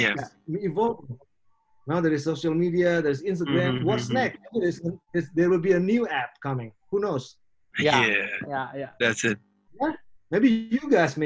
ya mungkin kalian yang bikin aplikasi